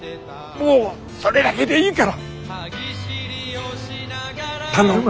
それだけでいいから！